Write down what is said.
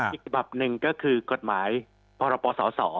อีกฉบับหนึ่งก็คือกฎหมายพรปศ